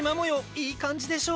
いい感じでしょ？